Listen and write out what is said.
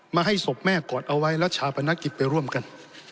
ให้ศพแม่กอดเอาไว้แล้วชาปนกิจไปร่วมกัน